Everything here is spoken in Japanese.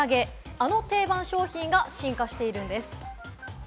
あの定番商品が進化しているんです。